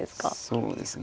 そうですね。